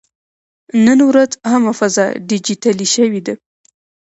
نن ورځ عامه فضا ډیجیټلي شوې ده.